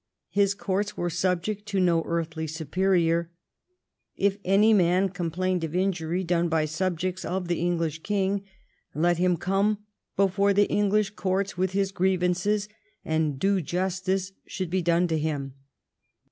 His courts were subject to no earthly superior. If any man com plained of injury done by subjects of the English king, let him come before the English courts with his grievances, and due justice should be done to him.